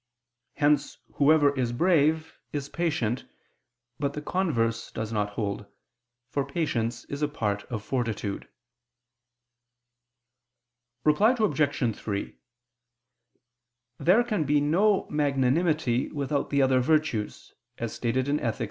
Hence whoever is brave is patient; but the converse does not hold, for patience is a part of fortitude. Reply Obj. 3: There can be no magnanimity without the other virtues, as stated in _Ethic.